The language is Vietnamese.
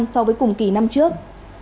so với cùng kỳ năm trước